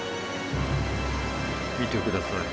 見てください。